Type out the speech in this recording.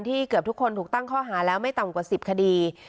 เกือบทุกคนถูกตั้งข้อหาแล้วไม่ต่ำกว่า๑๐คดี